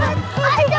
aduh aku minta